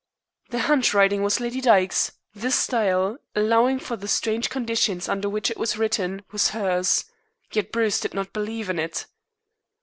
The handwriting was Lady Dyke's; the style, allowing for the strange conditions under which it was written, was hers; yet Bruce did not believe in it.